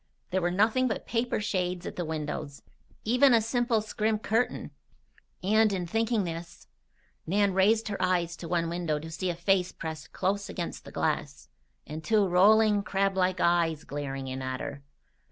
There were nothing but paper shades at the windows. Even a simple scrim curtain And, in thinking of this, Nan raised her eyes to one window to see a face pressed close against the glass, and two rolling, crablike eyes glaring in at her.